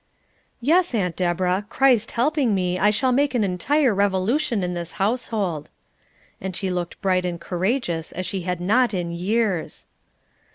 "Yes, Aunt Deborah, Christ helping me, I shall make an entire revolution in this household." And she looked bright and courageous as she had not in years.